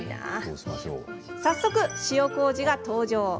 早速、塩こうじが登場。